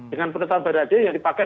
dengan penetapan barada yang dipakai